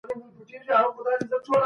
تاسو بايد د فکري تېروتنو مخه ونيسئ.